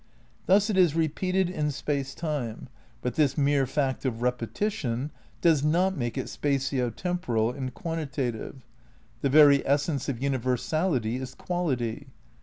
Thus it is repeated in Space Time ; but this mere fact of repetition does not make it spatio temporal and quantitative. The very essence of universality is quality.